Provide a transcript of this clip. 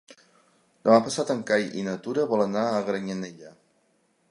Demà passat en Cai i na Tura volen anar a Granyanella.